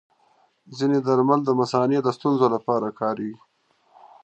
ځینې درمل د مثانې د ستونزو لپاره کارېږي.